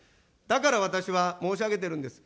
だから私は申し上げてるんです。